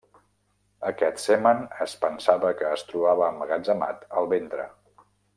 Aquest semen es pensava que es trobava emmagatzemat al ventre.